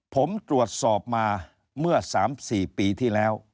ผมตรวจสอบมาเมื่อ๓๔ปีที่แล้ว